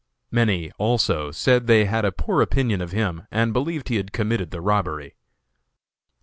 Many, also, said they had a poor opinion of him and believed he had committed the robbery.